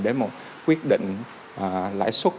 để một quyết định lãi suất